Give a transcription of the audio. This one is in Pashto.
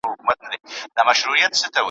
په غوسه ورته وړوکی لوی حیوان وو ,